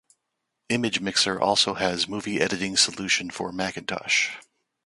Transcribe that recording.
ImageMixer also has movie editing solution for Macintosh.